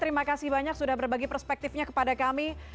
terima kasih banyak sudah berbagi perspektifnya kepada kami